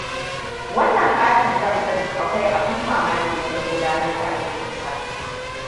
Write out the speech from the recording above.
Wannan ƙaton dam ɗin akwai abin mamaki wajen gudanar da aikinsa.